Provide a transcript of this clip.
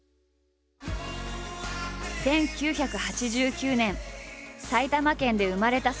１９８９年埼玉県で生まれた佐藤。